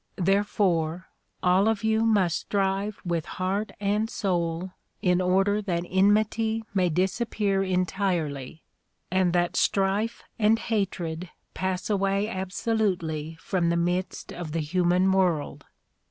Therefore all of you must strive with heart and soul in order that enmity may disappear en tirely and that strife and hatred pass away absolutely from the midst of the human world.